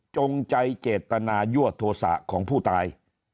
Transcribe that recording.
จงใจเจตนายั่วโทษะของผู้ตาย